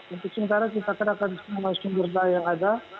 untuk sementara kita kerahkan semua sumber daya yang ada